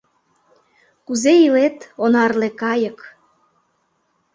Кузе илет, онарле кайык?